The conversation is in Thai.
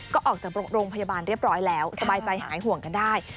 ก็ออกจากโรงพยาบาลเรียบร้อยแล้วสบายใจหายห่วงกันได้